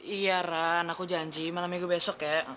iya ran aku janji malam minggu besok ya